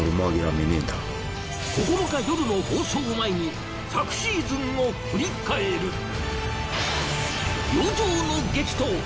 ９日夜の放送を前に昨シーズンを振り返る。